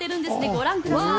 ご覧ください。